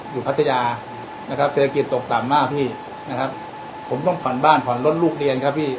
เศรษฐกิจตกต่ำมากพี่ผมต้องขอนบ้านขอนรถลูกเรียนครับพี่